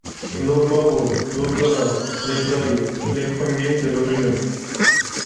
Lo bavo, lo bira, lê dayê, lê xungê, dilorînin.